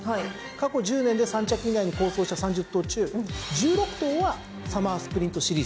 過去１０年で３着以内に好走した３０頭中１６頭はサマースプリントシリーズ。